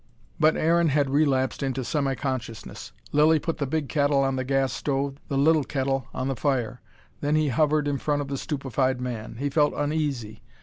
But Aaron had relapsed into semi consciousness. Lilly put the big kettle on the gas stove, the little kettle on the fire. Then he hovered in front of the stupefied man. He felt uneasy.